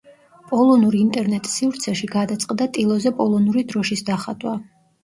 პოლონურ ინტერნეტ-სივრცეში გადაწყდა ტილოზე პოლონური დროშის დახატვა.